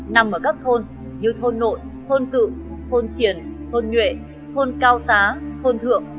nằm ở các thôn như thôn nội thôn cự thôn triển thôn nhuệ thôn cao xá thôn thượng